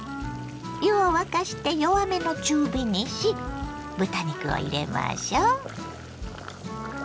湯を沸かして弱めの中火にし豚肉を入れましょ。